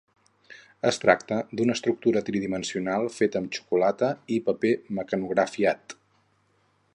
Es tracta d'una escultura tridimensional feta amb xocolata i paper mecanografiat.